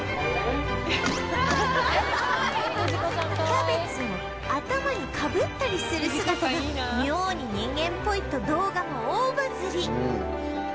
キャベツを頭にかぶったりする姿が妙に人間っぽいと動画も大バズり！